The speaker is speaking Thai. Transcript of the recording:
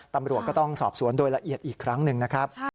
ตำรวจก็ต้องสอบสวนโดยละเอียดอีกครั้งหนึ่งนะครับ